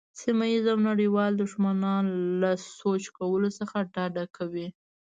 سیمه ییز او نړیوال دښمنان له سوچ کولو څخه ډډه کوي.